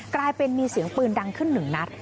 กลายเป็นมีเสียงปืนดังขึ้นหนึ่งนัด